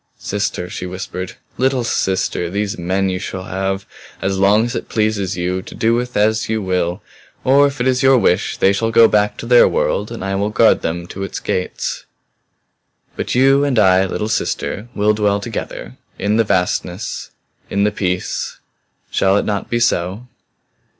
"Sister!" she whispered. "Little sister! These men you shall have as long as it pleases you to do with as you will. Or if it is your wish they shall go back to their world and I will guard them to its gates. "But you and I, little sister, will dwell together in the vastnesses in the peace. Shall it not be so?"